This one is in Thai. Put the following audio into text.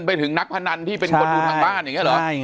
ปากกับภาคภูมิ